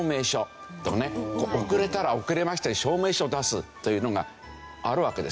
遅れたら遅れましたって証明書を出すというのがあるわけですよね。